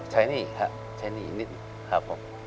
ใช้หนีนิดครับผม